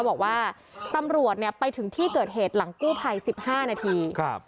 บอกว่าตำรวจเนี่ยไปถึงที่เกิดเหตุหลังกูภายสิบห้านาทีครับ